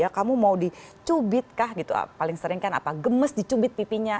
kamu mau dicubit kah gitu paling sering kan apa gemes dicubit pipinya